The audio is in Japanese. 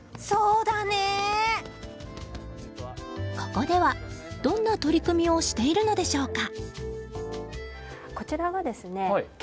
ここでは、どんな取り組みをしているのでしょうか。